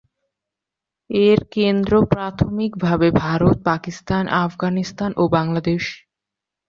এর কেন্দ্র প্রাথমিকভাবে ভারত, পাকিস্তান, আফগানিস্তান ও বাংলাদেশ।